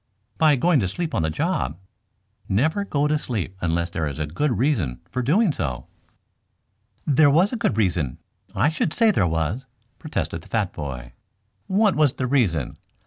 "By going to sleep on the job. Never go to sleep unless there is good reason for doing so." "There was good reason. I should say there was," protested the fat boy. "What was the reason?"